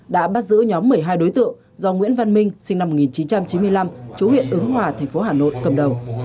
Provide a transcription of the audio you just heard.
đã bắt giữ nhóm một mươi hai đối tượng do nguyễn văn minh sinh năm một nghìn chín trăm chín mươi năm chú huyện ứng hòa thành phố hà nội cầm đầu